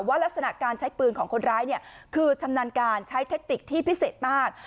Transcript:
ลักษณะการใช้ปืนของคนร้ายคือชำนาญการใช้เทคติกที่พิเศษมาก